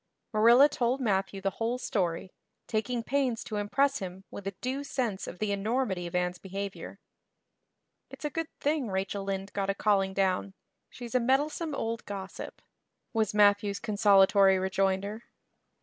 Marilla told Matthew the whole story, taking pains to impress him with a due sense of the enormity of Anne's behavior. "It's a good thing Rachel Lynde got a calling down; she's a meddlesome old gossip," was Matthew's consolatory rejoinder.